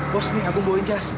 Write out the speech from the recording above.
bos nih aku bawain jas